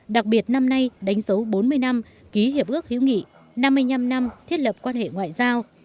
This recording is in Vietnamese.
đặc biệt năm nay đánh dấu bốn mươi năm ký hiệp ước hữu nghị năm mươi năm năm thiết lập quan hệ ngoại giao